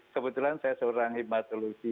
kebetulan saya seorang hematologi